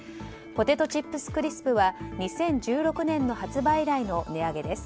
ポテトチップスクリスプは２０１６年の発売以来の値上げです。